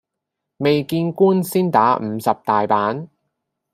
未見官先打五十大板